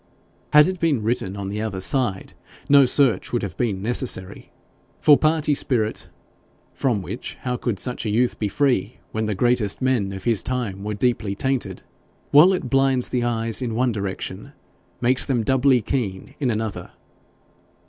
Had it been written on the other side no search would have been necessary, for party spirit (from which how could such a youth be free, when the greatest men of his time were deeply tainted?), while it blinds the eyes in one direction, makes them doubly keen in another.